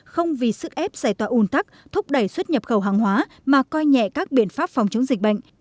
không vì sức ép giải tỏa ùn tắc thúc đẩy xuất nhập khẩu hàng hóa mà coi nhẹ các biện pháp phòng chống dịch bệnh